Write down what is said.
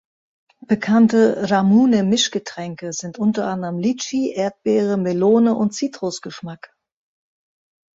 Bekannte Ramune-Mischgetränke sind unter anderem Litschi-, Erdbeere-, Melone- und Citrus-Geschmack.